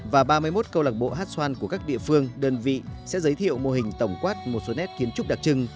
và ba mươi một câu lạc bộ hát xoan của các địa phương đơn vị sẽ giới thiệu mô hình tổng quát một số nét kiến trúc đặc trưng